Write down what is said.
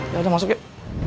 ya udah masuk yuk